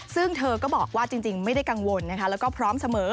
ซึ่งเธอก็บอกว่าจริงไม่ได้กังวลนะคะแล้วก็พร้อมเสมอ